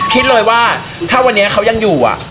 คิดเลยว่าถ้าวันนี้เขายังอยู่